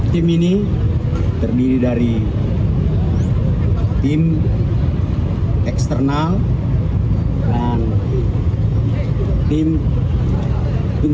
tim ini terdiri dari tim eksternal dan tim